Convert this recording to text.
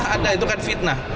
ada itu kan fitnah